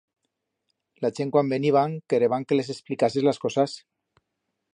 La chent cuan veniban quereban que les explicases las cosas.